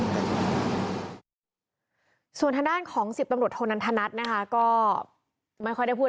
ส่วนทางด้านของสิบตำรวจโทนันทนัทนะคะก็ไม่ค่อยได้พูด